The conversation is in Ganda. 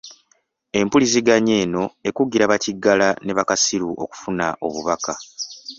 Empuliziganya eno ekugira bakiggala ne bakasiru okufuna obubaka.